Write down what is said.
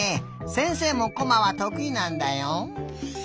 せんせいもコマはとくいなんだよ。